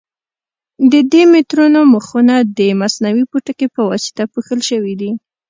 د دې مترونو مخونه د مصنوعي پوټکي په واسطه پوښل شوي دي.